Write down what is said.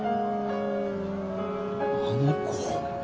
あの子。